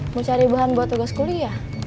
mau cari bahan buat tugas kuliah